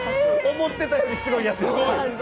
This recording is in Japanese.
思ってたよりすごいやつ！